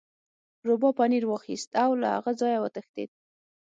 روباه پنیر واخیست او له هغه ځایه وتښتید.